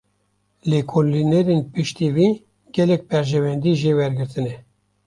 Lêkolînerên piştî wî, gelek berjewendî jê wergirtine